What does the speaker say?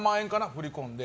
振り込んで。